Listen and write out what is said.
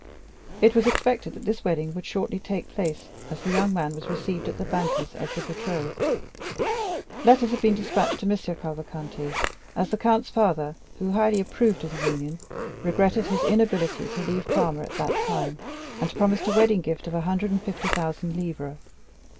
It was expected that this wedding would shortly take place, as the young man was received at the banker's as the betrothed. Letters had been despatched to M. Cavalcanti, as the count's father, who highly approved of the union, regretted his inability to leave Parma at that time, and promised a wedding gift of a hundred and fifty thousand livres.